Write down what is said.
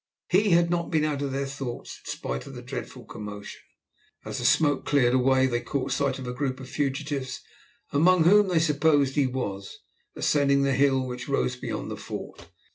He had not been out of their thoughts, in spite of the dreadful commotion. As the smoke cleared away they caught sight of the group of fugitives, among whom they supposed he was, ascending the hill which rose beyond the fort.